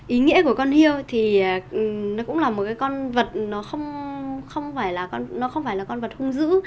ý nghĩa của con hiêu thì nó cũng là một cái con vật nó không phải là con vật hung dữ